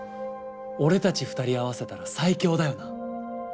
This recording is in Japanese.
俺たち２人合わせたら最強だよな。